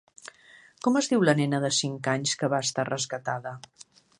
Com es diu la nena de cinc anys que va estar rescatada?